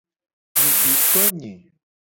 Mu di to nye.